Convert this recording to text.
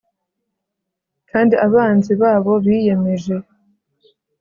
kandi abanzi babo biyemeje